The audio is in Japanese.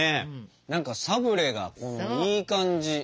何かサブレがいい感じ。